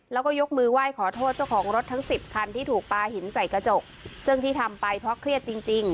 แล้วก็ยกมือไหว้ขอโทษเจ้าของรถทั้งสิบคันที่ถูกปลาหินใส่กระจกซึ่งที่ทำไปเพราะเครียดจริงจริง